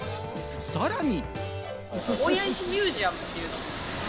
さらに。